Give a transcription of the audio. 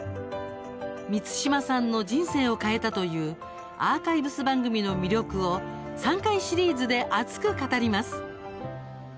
満島さんの人生を変えたというアーカイブス番組の魅力を３回シリーズで熱く語ります。